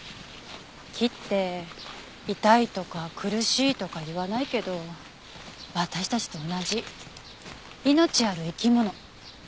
木って痛いとか苦しいとか言わないけど私たちと同じ命ある生き物。